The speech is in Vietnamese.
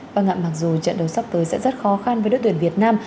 vâng ạ mặc dù trận đấu sắp tới sẽ rất khó khăn với đội tuyển việt nam